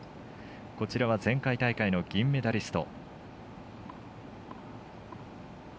こちらは前回大会の銀メダリスト。